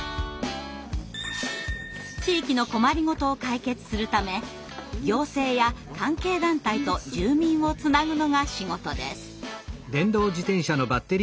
地域の困りごとを解決するため行政や関係団体と住民をつなぐのが仕事です。